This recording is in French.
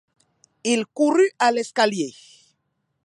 Il courut à l'escalier.